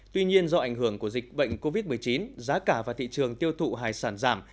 tuy nhiên do ảnh hưởng của dịch bệnh covid một mươi chín giá cả và thị trường tiêu thụ hải sản giảm